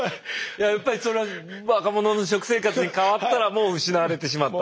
やっぱりそれは若者の食生活に変わったらもう失われてしまった？